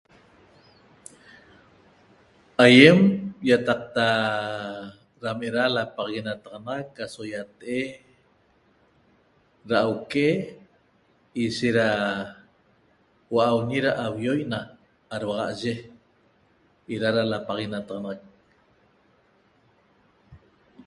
Aiem iataqta ram era lapaxaguenataxanaxac aso iate'e ra auque'e ishet ra hua'auñi ra auioi na arhuaxaye era lapaxaguenataxanaxac